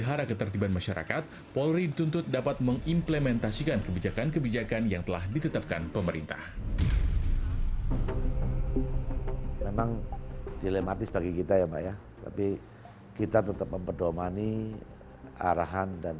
bapak korps selalu menekankan kepada kesihatan sekolah